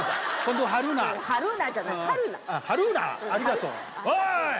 ありがとう。おい！